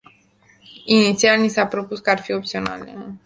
Inițial ni s-a spus că ar fi opționale.